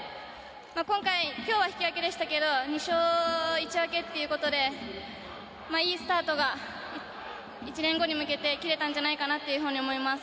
今回、今日は引き分けでしたけど２勝１分けということでいいスタートが１年後に向けて切れたんじゃないかと思います。